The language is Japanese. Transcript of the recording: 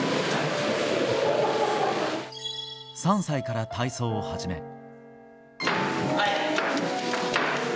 ３歳から体操を始め。